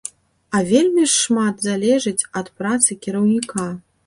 А вельмі шмат залежыць ад працы кіраўніка.